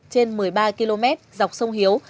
trên một mươi ba km dọc sông hiếu